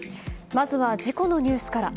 まずは事故のニュースから。